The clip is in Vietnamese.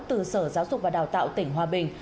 từ sở giáo dục và đào tạo tỉnh hòa bình